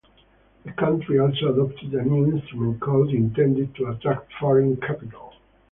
The country also adopted a new investment code intended to attract foreign capital.